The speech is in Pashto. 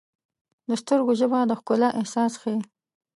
د سترګو ژبه د ښکلا احساس ښیي.